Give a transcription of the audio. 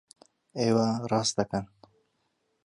ئێوە ڕاست دەکەن!